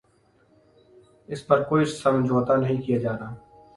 اس پر کوئی سمجھوتہ نہیں کیا جارہا